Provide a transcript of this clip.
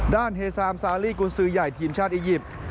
ด้านเฮซาอัมซาริกุนนซือใหญ่ทีมชาติอียิปต์